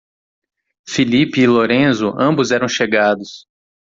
Felipe e Lorenzo, ambos eram chegados.